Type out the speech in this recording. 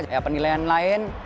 ya penilaian lain